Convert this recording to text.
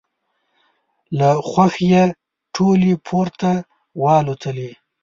له خوښیه ټولې پورته والوتلې.